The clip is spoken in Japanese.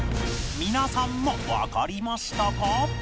皆さんもわかりましたか？